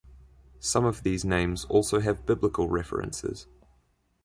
Some of these names also have Biblical references.